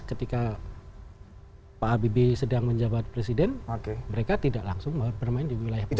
ketika pak habibie sedang menjabat presiden mereka tidak langsung bermain di wilayah politik